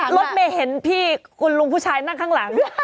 รถเมย์เห็นพี่คุณลุงผู้ชายนั่งข้างหลัง